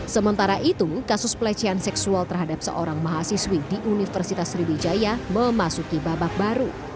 sementara itu kasus pelecehan seksual terhadap seorang mahasiswi di universitas sriwijaya memasuki babak baru